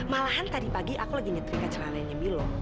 malahan tadi pagi aku lagi nyetirkan celananya milo